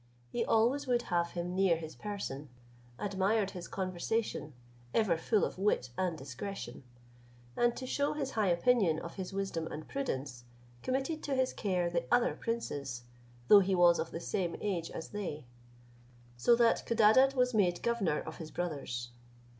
He always would have him near his person; admired his conversation, ever full of wit and discretion; and to shew his high opinion of his wisdom and prudence, committed to his care the other princes, though he was of the same age as they; so that Codadad was made governor of his brothers.